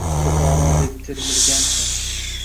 “Buxoro!” deb termilgancha